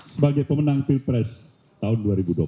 sebagai pemenang pilpres tahun dua ribu dua puluh empat